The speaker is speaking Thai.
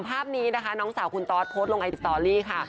ภาพนี้นะคะน้องสาวคุณตอสโพสต์ลงไอติสตอรี่ค่ะ